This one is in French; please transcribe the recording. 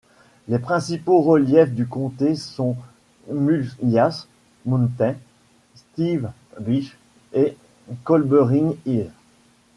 Les principaux reliefs du comté sont Mullyash Mountain, Slieve Beagh et Coolberrin Hill.